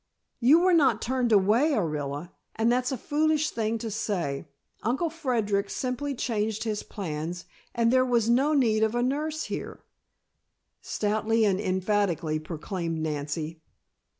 "You were not turned away, Orilla, and that's a foolish thing to say. Uncle Frederic simply changed his plans and there was no need of a nurse here," stoutly and emphatically proclaimed Nancy.